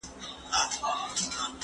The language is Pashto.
زه پرون مړۍ خورم،